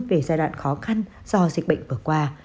về giai đoạn khó khăn do dịch bệnh vừa qua